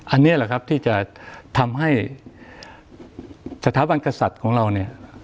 อันนี้แหละครับที่จะทำให้สถาบันกษัตริย์ของเราเนี่ย